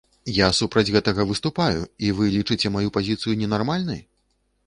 Я супраць гэтага выступаю, і вы лічыце маю пазіцыю ненармальнай?